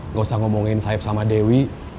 gak usah ngomongin saeb sama dewi